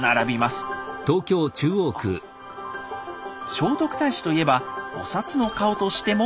聖徳太子と言えばお札の顔としても有名。